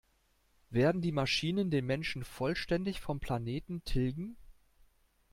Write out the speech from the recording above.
Werden die Maschinen den Menschen vollständig vom Planeten tilgen?